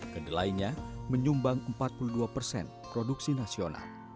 kedelainya menyumbang empat puluh dua persen produksi nasional